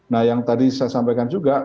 nah yang tadi saya sampaikan juga